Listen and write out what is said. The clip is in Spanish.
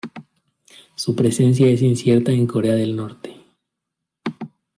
Su presencia es incierta en Corea del Norte.